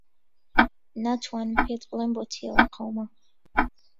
ناتوانم پێت بڵێم بۆچی ئەوە قەوما.